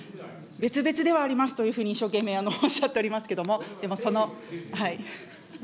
別々ではありますというふうに、一生懸命おっしゃっておりますけども、でも、その。